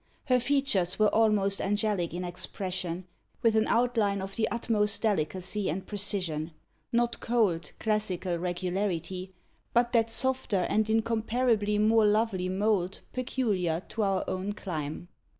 Her features were almost angelic in expression, with an outline of the utmost delicacy and precision not cold, classical regularity but that softer and incomparably more lovely mould peculiar to our own clime.